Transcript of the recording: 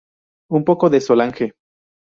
Un poco de Solange.